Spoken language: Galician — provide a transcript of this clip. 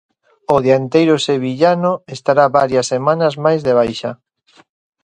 O dianteiro sevillano estará varias semanas máis de baixa.